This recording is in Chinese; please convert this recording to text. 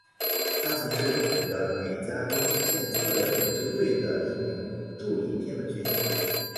他曾是政府的美加边境线测量远征队的一名助理天文学家。